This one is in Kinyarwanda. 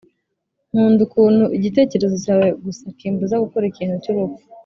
nkunda ukuntu igitekerezo cyawe gusa kimbuza gukora ikintu cyubupfu.